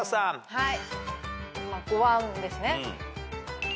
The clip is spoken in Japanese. はい。